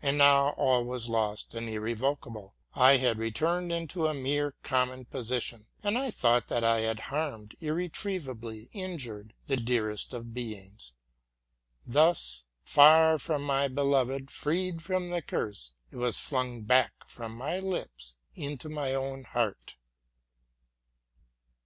But now all was lost and irrevocable: I had returned into a mere common position ; and I thought that I had harmed, irretrievably injured, the dearest of beings. Thus, far from my being freed from the curse, it was flung back from my lips into my own heart.